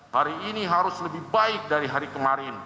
hari ini harus lebih baik dari hari kemarin